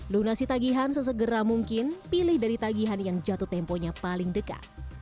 lunasi tagihan sesegera mungkin pilih dari tagihan yang jatuh temponya paling dekat